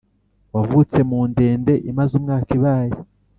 wavutse mudende imaze umwaka ibaye